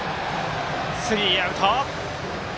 スリーアウト。